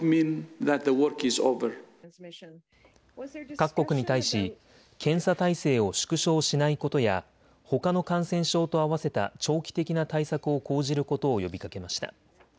各国に対し検査体制を縮小しないことやほかの感染症と合わせた長期的な対策を講じることを呼びかけました。